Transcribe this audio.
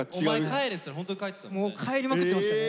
帰りまくってましたね。